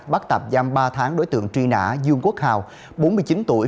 bắt tạm giam ba tháng đối tượng truy nã dương quốc hào bốn mươi chín tuổi